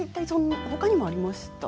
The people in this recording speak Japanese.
ほかにもありましたか？